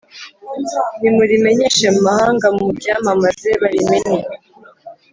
Nimurimenyeshe mu mahanga muryamamaze barimenye